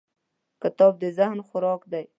کتاب د ذهن خوراک دی.